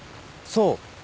そう。